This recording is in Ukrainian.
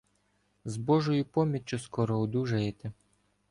— З Божою поміччю скоро одужаєте.